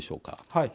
はい。